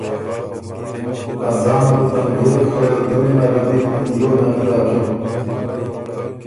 ا ځانه بو تنګېک خه دُوی نره دی بو دیو نک داکِن۔